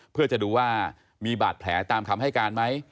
เพื่อจะดูว่ามีบาดแผลตามคำให้การไหม